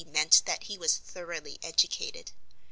meant that he was Thoroughly Educated.